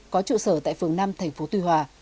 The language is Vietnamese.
có trụ sở tại phường năm thành phố tuy hòa